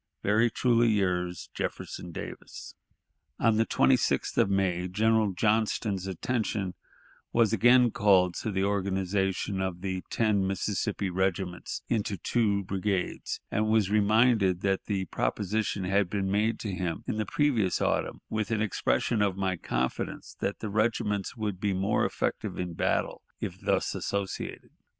"Very truly yours, "Jefferson Davis." On the 26th of May General Johnston's attention was again called to the organization of the ten Mississippi regiments into two brigades, and was reminded that the proposition had been made to him in the previous autumn, with an expression of my confidence that the regiments would be more effective in battle if thus associated.